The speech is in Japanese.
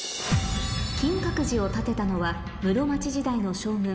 金閣寺を建てたのは室町時代の将軍